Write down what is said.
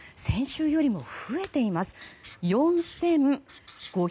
先週よりも増えています。